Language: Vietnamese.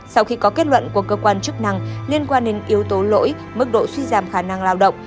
sau khi có kết luận của cơ quan chức năng liên quan đến yếu tố lỗi mức độ suy giảm khả năng lao động